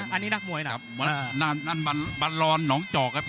อันนี้นักมวยนะครับนั่นนั่นบันรอนหนองจอกครับ